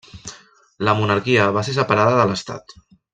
La monarquia va ser separada de l'estat.